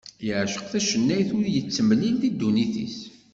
Yeɛceq tacennayt ur yettemlil deg ddunit-is.